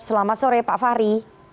selamat sore pak fahri